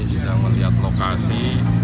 saya melihat lokasi